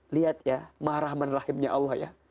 lihat ya mahraman rahimnya allah ya